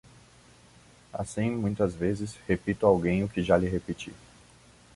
Assim, muitas vezes, repito a alguém o que já lhe repeti